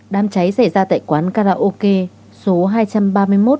đám cháy xảy ra tại quán karaoke số hai trăm ba mươi một